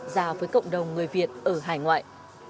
giàu với cộng đồng người việt ở hải ngoại